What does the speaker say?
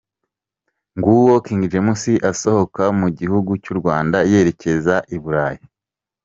Nguwo King James asohoka mu gihugu cy'u Rwanda yerekeza i Burayi.